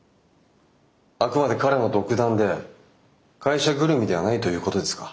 あくまで彼の独断で会社ぐるみではないということですか？